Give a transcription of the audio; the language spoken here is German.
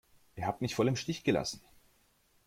Ihr habt mich voll im Stich gelassen!